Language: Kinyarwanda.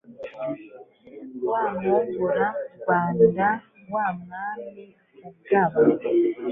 Wa Mwungura-Rwanda wa Mwami ugaba,